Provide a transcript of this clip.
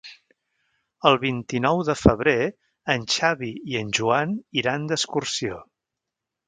El vint-i-nou de febrer en Xavi i en Joan iran d'excursió.